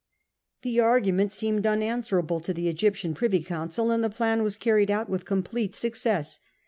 The argument seemed unanswerable to the Egyptian privy council, and the plan was carried out with complete, success.